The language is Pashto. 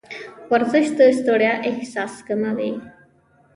ورزش د ستړیا احساس کموي.